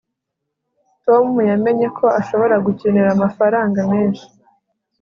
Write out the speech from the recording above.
tom yamenye ko ashobora gukenera amafaranga menshi